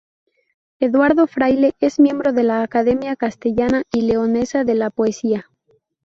Eduardo Fraile es miembro de la "Academia Castellana y Leonesa de la Poesía".